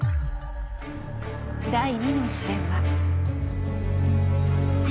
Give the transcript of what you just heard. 第２の視点は。